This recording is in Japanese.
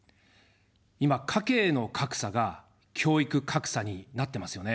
今、家計の格差が教育格差になってますよね。